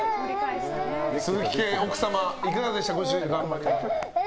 鈴木家、奥様いかがでしたかご主人の頑張り。